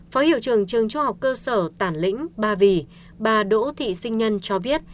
phó hiệu trường trường trung học cơ sở tản lĩnh ba vì bà đỗ thị sinh nhân cho biết